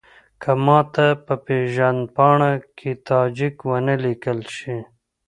که ماته په پېژندپاڼه کې تاجک ونه لیکل شي.